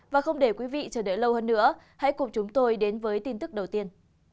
và không để quý vị chờ đợi lâu hơn nữa hãy cùng chúng tôi đến với tin tức đầu tiên